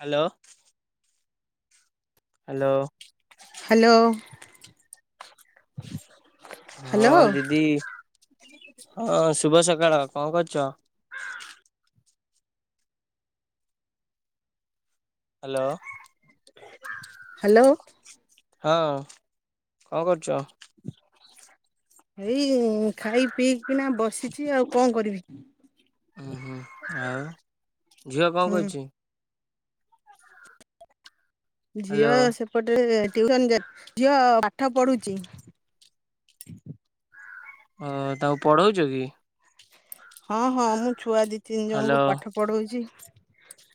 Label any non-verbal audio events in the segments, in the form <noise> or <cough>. Hello. Hello. Hello. ହଁ hello ଦିଦି, ହଁ ଶୁଭ ସକାଳ କଣ କରୁଚ। ହ୍ୟାଲୋ। ହ୍ୟାଲୋ। ହଁ କଣ କରୁଚ। ଏଇ ଖାଇ ପିଇକିନା ବସିଛି ଆଉ କଣ କରିବି। ଉୁଁ ହୁଁ ଆଉ ଝିଅ କଣ ହୁଁ କରୁଚି। ହାଲୋ। ଝିଅ ସେପଟେ ଟିଉସନ୍ ଯା ଝିଅ ପାଠ ପଢୁଛି। ଓ ତାକୁ ପଢଉଛ କି? ହଁ ହଁ ମୁଁ ଛୁଆ ଦି ତିନି ଜଣଙ୍କୁ ହାଲୋ ପାଠ ପଢଉଚି।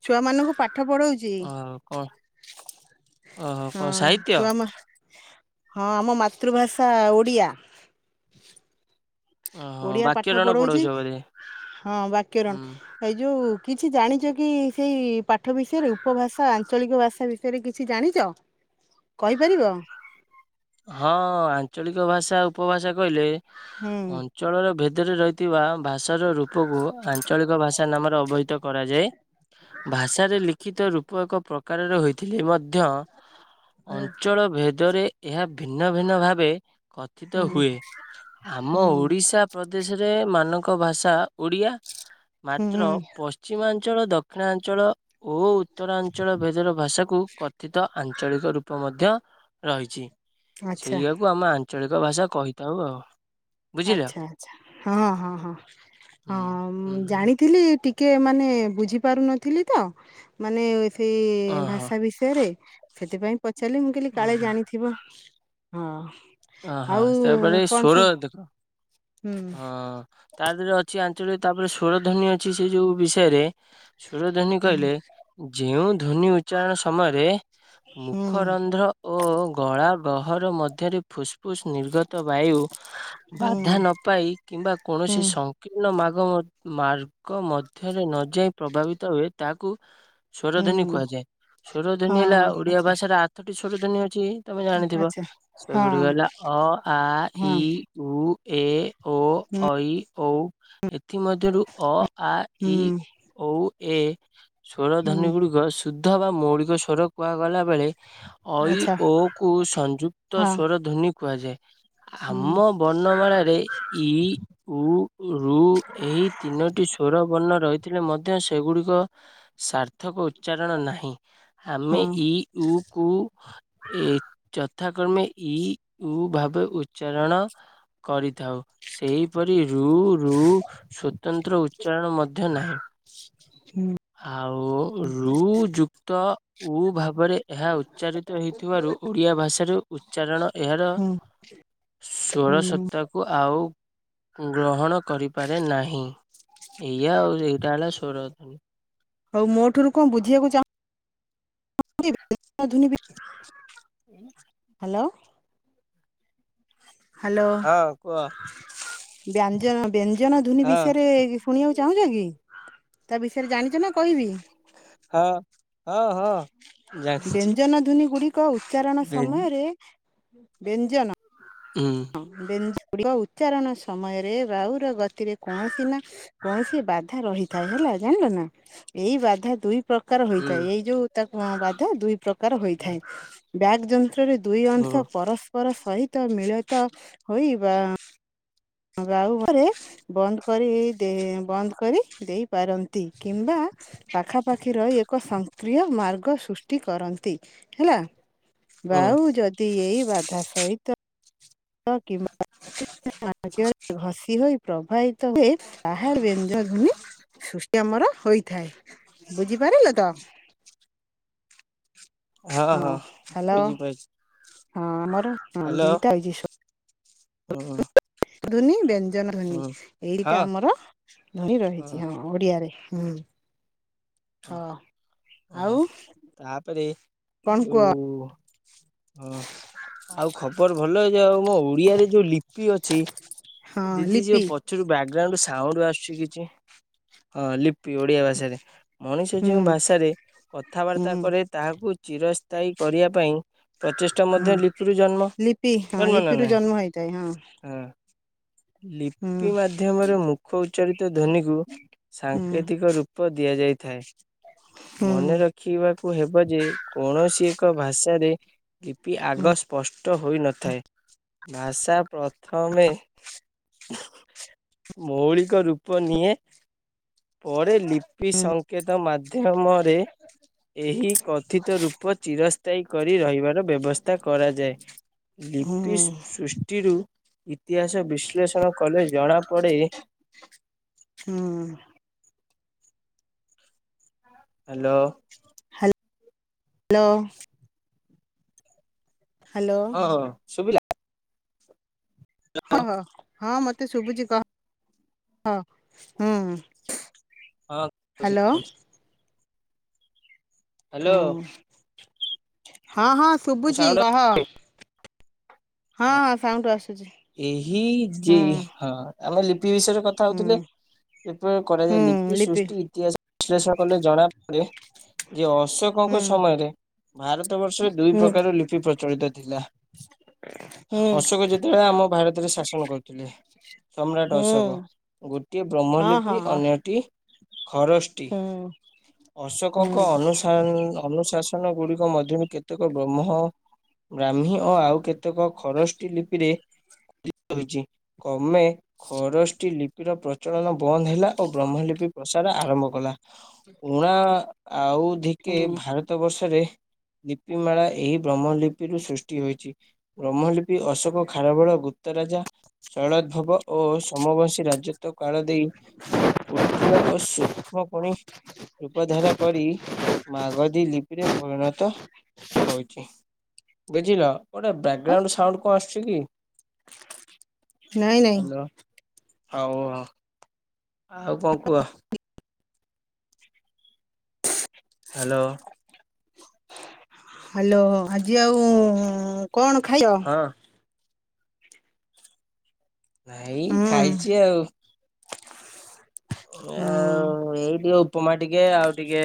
ଛୁଆ ମାନଙ୍କୁ ପାଠ ପଢଉଚି ଓ କଣ ଓହୋ ଚି କଣ ହଁ ସାହିତ୍ୟ? ଛୁଆ ମା ହଁ ଆମ ମାତୃଭାଷା ଓଡ଼ିଆ। ଓହୋ ଓଡିଆ ବାକ୍ୟ ପାଠ ଟାଣ ପଢଉଛି ପଢଉଚ ବୋଧେ ହଁ ବାକ୍ୟରଣ। ହୁଁ। ହେଇ ଯୋଉ କିଛି ଜାଣିଛ କି, ସେଇ ପାଠ ବିଷୟରେ ଉପଭାଷା ଆଞ୍ଚଳିକ ଭାଷା ବିଷୟ ରେ କିଛି ଜାଣିଚ କହିପାରିବ। ହଁ ଆଞ୍ଚଳିକ ଭାଷା ଉପଭାଷା କହିଲେ ହୁଁ। ଅଞ୍ଚଳର ଭିତରେ ରହିଥିବା ଭାଷାର ରୂପକୁ ଆଞ୍ଚଳିକ ଭାଷା ନାମରେ ଅବହିତ କରାଯାଏ। ଭାଷାରେ ଲିଖିତ ରୂପ ଏକ ପ୍ରକାରରେ ହୋଇଥିଲେ ମଧ୍ୟ ଅଞ୍ଚଳ ଭେଦରେ ଏହା ଭିନ୍ନ ଭିନ୍ନ ଭାବେ କଥିତ ହୁଁ ହୁଏ ଆମ ହୁଁ ଓଡିଶା ପ୍ରଦେଶରେ ମାନଙ୍କ ଭାଷା ଓଡ଼ିଆ। ହୁଁ ମାତ୍ର ପଶ୍ ହୁଁ ପଶ୍ଚିମାଞ୍ଚଳ ଦକ୍ଷିଣାଞ୍ଚଳ। ଓ ଉତ୍ତରାଞ୍ଚଳ ଭେଦର ଭାଷାକୁ କଥିତ ଆଞ୍ଚଳିକ ରୂପ ମଧ୍ୟ ରହିଛି ଆଚ୍ଛା ସେଇଆକୁ ଆମେ ଆଞ୍ଚଳିକ ଭାଷା କହିଥାଉ ଆଉ। ବୁଝିଲ? ଆଚ୍ଛା ଆଚ୍ଛା ହଁ ହଁ ହଁ ହୁଁ ହୁଁ ହଁ ହୁଁ। ଜାଣିଥିଲି ଟିକ୍ ଟିକେ ମାନେ ବୁଝି ପାରୁନଥିଲି ତ, ମାନେ ସେଇ ଓହୋ ଭାଷା ବିଷ ରେ ସେଥିପାଇଁ ପଚାରିଲି ମୁଁ କହିଲି କାଳେ ଓହୋ ଜାଣିଥିବ ହଁ। ଓହୋ ଆଉ ତାପରେ କଣ ସ୍ୱର ସବୁ? ଦେଖ ହୁଁ ହଁ ତା ଦେହରେ ଅଛି ଆଞ୍ଚଳିକ ତାପରେ ସ୍ୱର ଧ୍ୱନି ଅଛି ସେ ଯୋଉ ବିଷୟରେ। ସୁରଧନି କହିଲେ ଯେଉଁ ଧ୍ୱନି ଉଚ୍ଚାରଣ ସମୟରେ ହୁଁ ମୁଖରନ୍ଧ୍ର ଓ ଗଳା ଗହର ମଧ୍ୟରେ ଫୁସ୍ଫୁସ୍ ନିର୍ଗତ ତ ବାୟୁ ହୁଁ ବାଧା ନ ପାଇ କିମ୍ବା ହୁଁ କୌଣସି ସ କୀର୍ଣ ମାଗ ମ ମାର୍ଗ ମଧ୍ୟରେ ନଯାଇ ପ୍ରଭାବିତ ହୁଏ ତାହାକୁ ସ୍ୱରଧ୍ୱନି ହୁଁ କୁହାଯାଏ। ସ୍ୱରଧ୍ୱନି ହେଲା ହଁ ଓଡିଆ ଆଚ୍ଛା ଭାଷାର ଆଠଟି ସ୍ୱରଧ୍ୱନି ଅଛି। ତମେ ଜାଣିଥିବ ଆଚ୍ଛା। ସେଗୁଡିକ ହଁ ହେଲା ଅ, ଆ, ଇ, ହଁ ଉ, ଏ ଓ ଐ, ଔ, ଏଥିମଧ୍ୟରୁ ଅ, ଆ, ହୁଁ ଇ ଔ ଏ ସ୍ଵର ଧନୀ ହୁଁ ଗୁଡିକ ଶୁଦ୍ଧ ବା ମୌଳିକ ସ୍ଵର କୁହାଗଲା ବେଳେ ଐ, ଆଚ୍ଛା ଓ କୁ ସଂଯୁକ୍ତ ହଁ ସ୍ଵର ଧ୍ୱନି କୁହାଯାଏ। ହୁଁ ଆମ ବ ନ୍ନ ମାଳାରେ ଇ, ଉ, ରୁ ଏହି ତିନୋଟି ସ୍ଵର ବର୍ଣ୍ଣ ରହିଥିଲେ ମଧ୍ୟ ସେଗୁଡ଼ିକ ସାର୍ଥକ ଉଚ୍ଚାରଣ ନାହିଁ। ହଁ ଆମେ ଇ, ଉ କୁ ଏ ଯଥାକ୍ରମେ ଇ, ଉ ଭାବେ ଉଚ୍ଚାରଣ କରିଥାଉ। ସେହିପରି ଋ ଋ ସ୍ଵତନ୍ତ୍ର ଉଚ୍ଚାରଣ ମଧ୍ୟ ନାହିଁ। ଆଉ ଋ ଯୁକ୍ତ ଉ ଭାବରେ ଏହା ଉଚ୍ଚାରିତ ହେଇଥିବାରୁ ଓଡ଼ିଆ ଭାଷାରୁ ଉଚ୍ଚାରଣ ଏହାର ହୁଁ ହୁଁ। ଷୋଳ ସପ୍ତାକୁ ଆଉ ଗ୍ରହଣ କରିପାରେ ନାହିଁ। ଏଇଆ ଆଉ ଏଇଟା ହେଲା ସ୍ଵର ଧନୀ। ହଉ ମୋ ଠୁ ରୁ କଣ ବୁଝିବାକୁ ଚାଉ <unintelligible> ହାଲୋ। ହାଲୋ ହଁ କୁହ ବ୍ୟାଞ୍ଜନ ବ୍ୟଞ୍ଜନ ଧ୍ବନି ହଁ ବିଷୟରେ ଶୁଣିବାକୁ ଚାହୁଁଛ କି? ତା ବିଷୟରେ ଜାଣିଛ ନା? କହିବି? ହ। ବ୍ୟଞ୍ଜନ ଧ୍ବନି ଗୁଡ଼ିକ ଉଚ୍ଚାରଣ ବେନ୍ ସମୟରେ ବେଞ୍ଜନ। ଉଁ। ହଁ ବେଞ୍ଜ ଗୁଡ଼ିକ ଉଚ୍ଚାରଣ ସମୟରେ ରାହୁର ଗତିରେ କୌଣସି ନା କୌଣସି ବାଧା ରହିଥାଏ। ହେଲା, ଜାଣିଲ ନା ଏଇ ବାଧା ଦୁଇ ପ୍ର କାର ହୁଁ। ହୋଇଥାଏ ଏଇ ଯୋଉ ତାକୁ ବାଧା ଦୁଇ ପ୍ରକାର ହୋଇଥାଏ ବ୍ୟାଗ ଜ ନ୍ତ୍ର ର ଦୁଇ ଅଂଶ ହୁଁ ପରସ୍ପର ସହିତ ମିଳିତ ହୋଇ ବା। ବା ରୁ। ବନ୍ଦ କରି ଦେ ବନ୍ଦ କରି ଦେଇ ପାରନ୍ତି କିମ୍ବା। ପାଖାପାଖି ରହି ଏକ ସଂକ୍ରିୟ ମାର୍ଗ ସୃଷ୍ଟି କରନ୍ତି ହେଲା। ହୁଁ ବାହୁ ଯଦି ଏଇ ବାଧା ସହିତ। <unintelligible> ହିତ ହୁଏ ତାହା ବ୍ୟଞ୍ଜ ଧୋନି। ସୃଷ୍ଟି ଆମର ହୋଇଥାଏ। ବୁଝିପାରିଲ ତ? ହଁ ହାଲୋ ହଁ, ଆମର ହଁ ହାଲୋ ଦିଟା ରହିଛି ଓ ହୋ। ଧୂନି ବ୍ୟନ୍ ବ୍ୟଞ୍ଜନ ଧ୍ୱନୀ। ଏଇଟା ହଁ ଆମର ଧ୍ୱନୀ ରହିଛି। ହଁ, ଓଡିଆରେ ହୁଁ। ଓ ହଁ ଓ ହୋ ଆଉ ତାପରେ କଣ କୁହ ଯୋଉ ହଁ ଆଉ ଖବର ଭଲ ଯେ ଆଉ ମୋ ଓଡିଆରେ ଯୋଉ ଲିପି ଅଛି ହଁ ଦିଦି ଯୋଉ ଲିପି ପଛରୁ ବ୍ୟାକଗ୍ରାଉଣ୍ଡ ସାଉଣ୍ଡ ଆସୁଛି କିଛି। ହଁ ଲିପି, ଓଡିଆ ଭାଷାରେ ମଣିଷ ହୁଁ ଯୋଉ ଭାଷାରେ ହୁଁ କଥାବାର୍ତ୍ତା କରେ। ତାହାକୁ ଚିରସ୍ଥାୟୀ କରିବା ପାଇଁ। ପ୍ରଚେଷ୍ଟା ହୁଁ ମଧ୍ୟ ଲିପରୁ ଜନ୍ମ ଲିପି ହଁ ଜନ୍ମ ନା, ଲିପିରୁ ଜନ୍ମ ନାହିଁ ହେଇଥାଏ ହଁ। ଲିପି ମାଧ୍ୟମରେ ମୁଖ ଉଚ୍ଚାରିତ ଧ୍ୱନିକୁ ହୁଁ ସାଙ୍କେତିକ ରୁ ପ ଦିଆଯାଇଥାଏ ହୁଁ ମନେ ର ରଖିବାକୁ ହେବ ଯେ କୌଣସି ଏକ ଭାଷାରେ ଲିପି ଆଗ ସ୍ପଷ୍ ଷ୍ଟ ହୋଇନଥାଏ ଭାଷା ପ୍ରଥମେ। ମୌଳିକ ରୂପ ନିଏ ପରେ ଲିପି ସଂ ସଂକେତ ମାଧ୍ୟମରେ। ଏହି କଥିତ ରୂପ ଚିରସ୍ଥାୟୀ କରି ରହିବାର ବ୍ୟବସ୍ଥା କରାଯାଏ। ହୁଁ ଲିପି ହୁଁ ସୃଷ୍ଟିରୁ। ଇତିହାସ ବିଶ୍ଳେଷଣ କଲେ ଜଣା ପଡେ। ହୁଁ। ହାଲୋ। ହାଲୋ। ହ୍ୟାଲୋ ହଁ ହଁ ଶୁଭିଲା। ହଁ କ ହଁ ମତେ ଶୁଭୁଛି କହ ହୁଁ। ହଁ ଶୁଭୁଚି ହ୍ୟାଲୋ ଶୁଭୁଛି। ହାଲୋ। ହୁଁ ହଁ ହଁ ମୁଁ ଶୁଭୁଛି ସାଉଣ୍ଡ କହ। ହଁ ହଁ ସାଉଣ୍ଡ ଆସୁଛି। ଏହି ଯେ ହୁଁ ହଁ ଆମେ ଲିପି ବିଷୟରେ କଥା। କଥା ହୁଁ ହଉଥିଲେ ଏପରି କରାଯାଏ ଲିପି ସୃଷ୍ଟି ଇତିହାସ। ବିଶ୍ଳେଷଣ କଲେ ଜଣାପଡ଼େ ଯେ ହୁଁ ଅଶୋକଙ୍କ ସମୟରେ ଭାରତ ବର୍ଷରେ। ଦୁଇ ହୁଁ ପ୍ରକାର ର ଲିପି ପ୍ରଚଳିତ ଥିଲା ହୁଁ ଅଶୋକ ଯେ ଯେତେବେଳେ ଆମ ଭାରତରେ ଶାସନ କରୁଥିଲେ। ସମ୍ରାଟ ହୁଁ ଅଶୋକ ଗୋଟିଏ ହଁ ବ୍ରହ୍ମଲିପି ହଁ ଅନ୍ୟଟି। ଖରଷ୍ଟି ହୁଁ ଅଶୋକଙ୍କ ହୁଁ ଅନୁ ଅନୁଶାସନ ଗୁଡିକ ମଧ୍ୟରୁ କେତେକ ବ୍ରହ୍ମ ବ୍ରାହ୍ମୀ ଓ ଆଉ କେତେକ ଖରଷ୍ଟି ଲିପ୍ ମେ ଖରଷ୍ଟି ଲି ଲିପୀର ପ୍ରଚଳନ ବନ୍ଦ ହେଲା ଓ ବ୍ରହ୍ମଲିପି ପ୍ରସାର ଆରମ୍ଭ କଲା। ଉଣା ଆଉ ଧିକେ ହୁଁ ଭାରତ ବର୍ଷରେ ଲିପି ମେଳା ଏହି ବ୍ରହ୍ମଲିପିରୁ ସୃଷ୍ଟି ହୋଇଛି ବ୍ରହ୍ମଲିପି ଅଶୋକ ଖାରବଳ ଗୁପ୍ତରାଜା ଶଳୋଦଦ୍ଭବ ଓ ସମବଂଶୀ ରାଜତ୍ଵ କାଳ ଦେଇ କୁଟିଳ ଓ ସୂକ୍ଷ୍ମ ଖଣି ରୂପ ଧାରା କରି ମାାଗଧୀ ଲିପିରେ ପରିଣତ ହଉଛି ବୁଝିଲ। ଗୋଟେ ବ୍ୟାଗ୍ ଗ୍ରାଉଣ୍ଡ ସାଉଣ୍ଡ କଣ ଆସୁଛି କି? ନାଇଁ ନାଇଁ ହେଲ ହଉ ଆଉ କଣ କୁହ? ହ୍ୟାଲୋ ହ୍ୟାଲୋ ଆଜି ଆଉ କଣ ଖାଇଚ? ହଁ ନାଇଁ ହୁଁ ଖାଇଛି ଆଉ। ଆ ହୁଁ ଏଇ ଟିକେ ଉପମା ଟିକେ ଆଉ ଟିକେ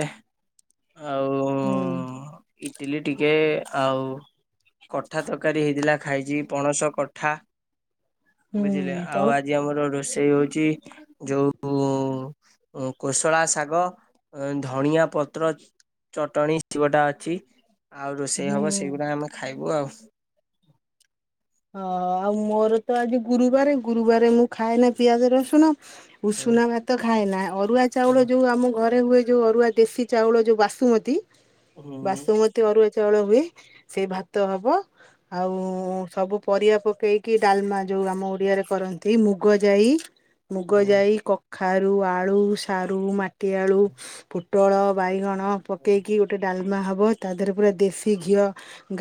ଆଉ ହୁଁ। ଇଟିଲି ଟିକେ ଆଉ କଠା ତରକାରୀ ହେଇଥିଲା ଖାଇଛି ପଣସ କଠା। ବୁଝିଲେ ହୁଁ ଆଉ ପଣସ ଆଜି ଆମର ରୋଷେଇ ହଉଛି ଯୋଉ କୋଶଳା ଶାଗ ଧଣିଆ ପ ତ୍ର ଚଟଣୀ ସେଗୁଟା ଅଛି ଆଉ ରୋଷେଇ ହୁଁ ହବ ସେଇଗୁଡା ଆମେ ଖାଇବୁ ଆଉ। ହ ଆଉ ମୋର ତ ଆଜି ଗୁରୁବାରେ ଗୁରୁବାର ମୁଁ ଖାଏ ନା ପିଆଜ ରସୁଣ ହୁଁ ଉଷୁନା ଭାତ ଖାଏ ନା ଅରୁଆ ଚାଉଳ ଯୋଉ ଆମ ଘରେ ହୁଏ ଯୋଉ ଅରୁଆ ଦେଶୀ ଚାଉଳ ଯୋଉ ବାସୁମତୀ ହୁଁ ବାସୁମତୀ ଅରୁଆ ଚାଉଳ ହୁଏ ସେଇ ଭାତ ହବ ଆଉ ସବୁ ପରିବା ପକେଇକି ଡାଲମା ଯୋଉ ଆମ ଓଡିଆରେ କରନ୍ତି ମୁଗ ଯାଇ ମୁଗ ଯାଇ କଖାରୁ ଆଳୁ ସାରୁ ମାଟି ଟିଆଳୁ ପୋଟଳ ବାଇଗଣ ପକେଇକି ଗଟେ ଗୋଟେ ଡାଲମା ହେବ ତା ଦେହରେ ପୁରା ଦେଶୀ ଘିଅ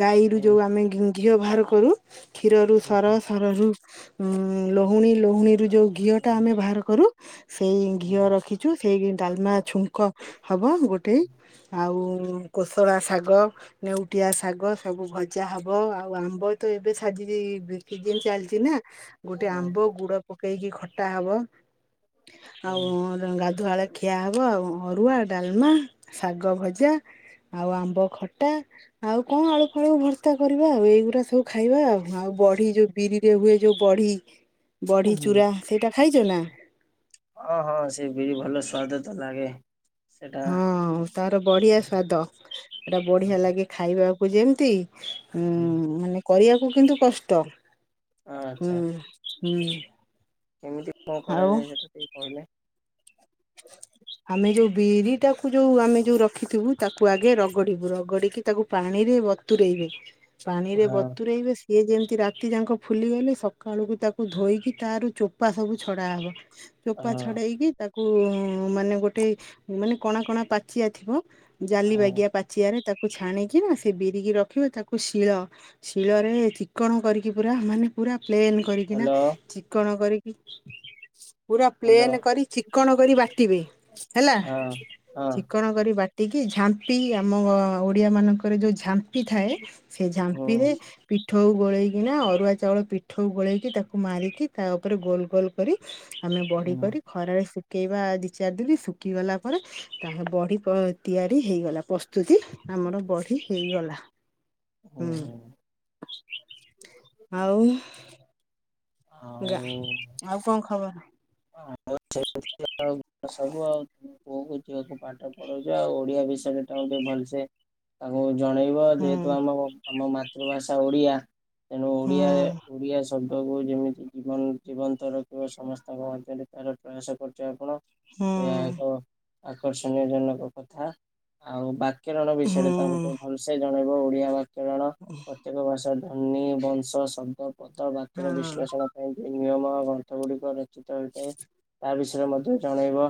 ଗାଈରୁ ଯେଉଁ ଆମେ ଘି-ଘିଅ ବାହାର କରୁ। କ୍ଷୀରରୁ ସର ସରରୁ ଲହୁଣୀ ଲହୁଣୀରୁ ଯେଉ ଘିଅଟା ଆମେ ବାହାର କରୁ। ସେଇ ଘିଅ ରଖିଛୁ ସେଇ ଡାଲମା ଛୁଙ୍କ ହବ ଗୋଟେ ଆଉ କ ପତଳା ଶାଗ ନେଉଟିଆ ଶାଗ ସବୁ ଭଜା ହବ ଆଉ ଆମ୍ବ ତ ଏବେ ସାଜି ବଖି ଚାଲିଛି ନା ଗୋଟେ ଆମ୍ବ ଗୁଡ ପକେଇକି ଖଟା ହବ ଆଉ ଗାଧୁଆଳ ଖିଆ ହବ ଆ ଅରୁଆ ଡାଲମା ଶାଗ ଭଜା। ଆଉ ଆମ୍ବ ଖଟା ଆଉ କଣ ଆଳୁ ଫଳୁକୁ ଭରସା କରିବା ଆଉ ଏଇଗୁଡା ସବୁ। ଖାଇବା ଆଉ ଆଉ ବଢି ଯୋଉ ବିରିରେ ହୁଏ ଯୋଉ ବଢି ବଢି ଚୁରା ସେଇଟା ଖାଇଛ ନା? ଓଁ ହଁ ସେ ବିରି ଭଲ ସ୍ଵାଦ ତ ଲାଗେ। ସେଟା ହଁ ତାର ବଢିଆ ସ୍ବାାଦ ଏଟା ବଢିଆ ଲାଗେ ଖାଇବାକୁ ଯେମତି ହୁଁ ମାନେ କରିବାକୁ କିନ୍ତୁ କଷ୍ଟ ହୁଁ ଆଚ୍ଛା ହୁଁ। କେମିତି କଣ ଆଉ କରାଯାଏ ସେଟା ଟିକେ କହିଲେ? ଆମେ ଯୋଉ ବିରି ଟାକୁ ଯୋଉ ଆମେ ଯୋଉ ରଖିଥିବୁ ତାକୁ ଆଗେ ରଗଡିବୁ ରଗଡିକି ତାକୁ ପାଣିରେ ବ ବତୁରେଇବେ ହଁ ପାଣିରେ ବତୁରେଇବେ ସି ସିଏ ଯେମିତି ରାତି ଯାକଁ ଫୁଲିଗଲେ ସକାଳୁକୁ ତାକୁ ଧୋଇକି ତାର ଚୋପା ସବୁ ଛଡ଼ା ହବ। ଚୋପା ହଁ ଛଡେଇକି ତାକୁ ମାନେ ଗୋଟେ ମାନେ କଣା କଣା ପାଚିଆ ଥିବ ଜାଲି ହଁ ବାଗିଆ ପାଚିଆରେ ତାକୁ ଛାଣିକି ନା ସେ ବିରିକି ରଖିବ ତାକୁ ଶୀଳ ଶୀଳରେ ଚିକଣ କରିକି ପୁରା ମାନେ ପୁରା ପ୍ଲେନ୍ କରିକି ନା ହ୍ୟାଲୋ ଚିକଣ କରିକି ପୁରା ହ୍ୟାଲୋ। ପ୍ଲେନ୍ କରି ଚି କଣ କରି ବାଟିବେ ହେଲା ହଁ ହଁ ଚିକଣ କରି ବା ଟି କି ଝାମ୍ପିକି ଆମ ଓ ଓଡିଆ ମାନଙ୍କର ଯୋଉ ଝାମ୍ପ ମ୍ପି ଥାଏ ସେ ଝାମ୍ପିରେ ହୁଁ ପିଠ ପିଠଉ ଗୋଳେଇକିନା ଅରୁଆ ଚାଉଳ ପିଠଉ ଗୋଳେଇକି ତାକୁ ମାରିକି ତା ଉପରେ ଗୋଲ ଗୋଲ କରି ଆମେ ବଢି ହୁଁ କରି ଖରାରେ ଶୁ ଶୁଖେଇବା ଦି ଚାରି ଦିନି ଶୁଖିଗଲା ପରେ ତା ବଢି ପ ତିଆରି ହେଇଗଲା ପ୍ରସ ସ୍ତୁତି ଆମର ବଢି ହେଇଗଲା। ହୁଁ ଆଉ ଆଉ ଗାଁ ଆଉ କଣ ଖବର? ଆଉ ସେଇଟା ସବୁ ଆଉ ପୁଅକୁ ଝିଅକୁ ପାଠ ପଢଉଛି ଆଉ ଓଡିଆ ବିଷୟରେ ତାର ଟିକେ ଭଲସେ ତାଙ୍କୁ ଜଣେଇବା ହୁଁ ଯେହେତୁ ଆମର ଆମ ମାତୃଭାଷା ଓଡିଆ ତେଣୁ ହୁଁ ଓଡ଼ିଆ ଓଡ଼ିଆ ଶ ଦ୍ଦ କୁ ଯେମିତି ଜୀବନୀ ଜୀବନ୍ତ ରଖିବ ସମସ୍ତଙ୍କ ମଧ୍ୟରେ ତାର ପ୍ରୟାସ କରୁଛ ଆପଣ। ହୁଁ ଏହା ଏକ ଆକର୍ଷଣୀୟ ଜନକ କଥା ଆଉ ବାକ୍ୟରଣ ହୁଁ ବିଷୟରେ ତ ଆମେ ଭଲସେ ଜଣେଇବ ଓଡିଆ ଭା ଅଁ। ପ୍ରତେକ ଭାଷା ଧନୀ ବଂଶ ଶବ୍ଦ ପଦ ବାକ୍ୟର ହଁ ବିଶ୍ଳେଷଣ ଧ୍ୱନି ନିୟମ ଗ୍ରନ୍ଥ ଗୁଡିକ ରଚିତ ହେଇଥାଏ ତା ବିଷୟରେ ମଧ୍ୟ ଜଣାଇବ।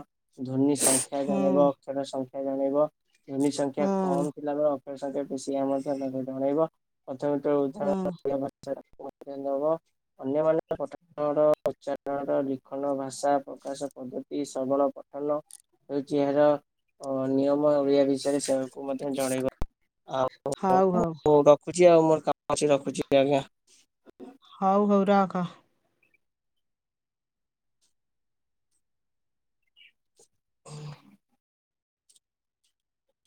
ଧ୍ୱନି ସଂଖ୍ୟା ହଁ ଜାଣେଇବ ଅକ୍ଷର ସଂଖ୍ୟା ଜଣେଇବ ଧ୍ୱନି ସଂଖ୍ୟା ହଁ କମ୍ ଥିଲାବେଳେ ସାଙ୍ଗେ ସାଙ୍ଗେ ବିଶ୍ରାମ ଟା ଜଣେଇବ ପ୍ରଥମେ ତା ଭାଇ ହଁ ଭଉଣୀ ପ୍ରଥମେ ତାଙ୍କୁ ତମେ ଜଣେଇବ। ଅନ୍ୟମାନଙ୍କ ପଠନର ଉଚାରଣର ଲିଖନ ଭାଷା ପ୍ରକାଶ ପଦ୍ଧ ତି ସମ୍ପଳ ପଠନ ହେଉଛି ଏହାର ଅନିୟମ ଓଡିଆ ବିଷୟ ସେକୁ ମଧ୍ୟ ଜଣେଇବ ଆଉ ହଉ ହଉ <inaudible> ରଖୁଛି ଆଉ ମୋର କାମ ଅଛି ରଖୁଛି ଆଜ୍ଞା। ହଉ ହଉ ରଖ। ହୁଁ।